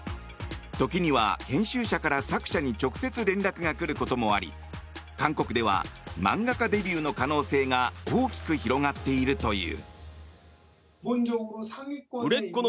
時には編集者から作者に直接連絡が来ることもあり韓国では漫画家デビューの可能性が大きく広がっているという。